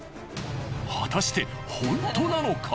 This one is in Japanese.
果たしてほんとなのか？